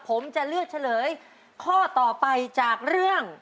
ผมจะเลือกเฉลยข้อต่อไปจากเรื่อง